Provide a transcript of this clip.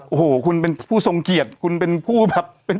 โอ้โหคุณเป็นผู้ทรงเกียรติคุณเป็นผู้แบบเป็น